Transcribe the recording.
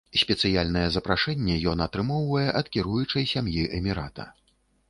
Спецыяльнае запрашэнне ён атрымоўвае ад кіруючай сям'і эмірата.